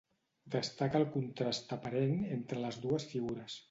Destaca el contrast aparent entre les dues figures.